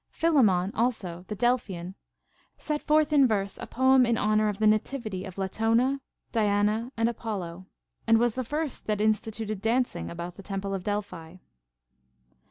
Philammon also, the Delphian, set forth in verse a poem in honor of the nativity of Latona, Diana, and x\pollo, and was the first that insti tuted dancing about the temple of Delphi.